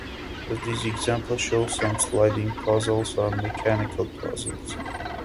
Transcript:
As this example shows, some sliding puzzles are mechanical puzzles.